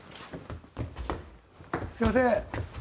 すいません。